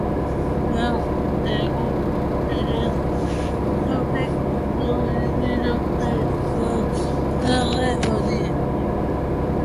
Gaur egun ere zutik diraute dorre horiek.